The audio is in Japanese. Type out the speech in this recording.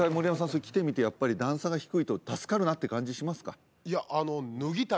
それ着てみてやっぱり段差が低いと助かるなって感じしますか？